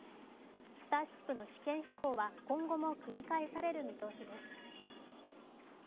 「スターシップ」の試験飛行は今後も繰り返される見通しです。